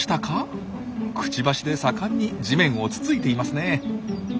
くちばしで盛んに地面をつついていますね。